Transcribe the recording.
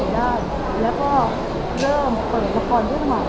แล้วก็เริ่มกะไปละครด้วยก่อน